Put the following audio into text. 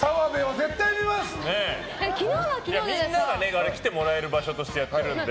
みんなが来てもらえる場所としてやってるんで。